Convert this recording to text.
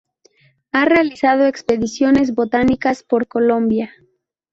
Ha realizado expediciones botánicas por Colombia.